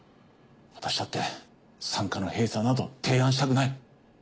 私だって産科の閉鎖など提案したくない。